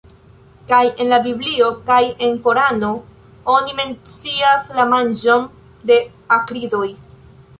Kaj en la biblio kaj en korano oni mencias la manĝon de akridoj.